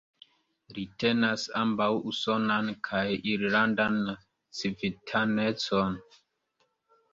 Li tenas ambaŭ usonan kaj irlandan civitanecon.